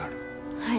はい。